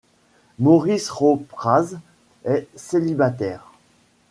Maurice Ropraz est célibataire.